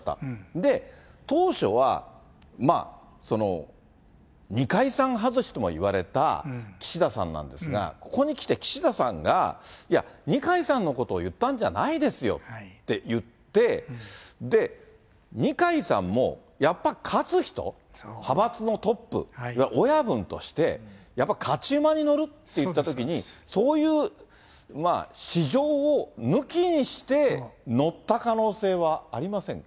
で、当初は、まあ、二階さん外しとも言われた岸田さんなんですが、ここにきて岸田さんがいや、二階さんのことを言ったんじゃないですよって言って、二階さんも、やっぱ勝つ人、派閥のトップ、親分として、やっぱ勝ち馬に乗るっていったときに、そういう市場を抜きにして、乗った可能性はありませんか。